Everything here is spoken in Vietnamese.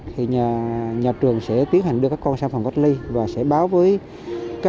thì nhà trường sẽ tiến hành đưa các con sang phòng góc ly và sẽ báo với các đơn vị chủ quản